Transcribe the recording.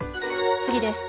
次です。